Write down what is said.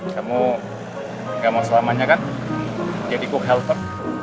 kamu gak mau selamanya kan jadi kok helper